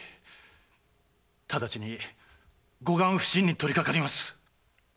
ただちに護岸普請に取りかかります。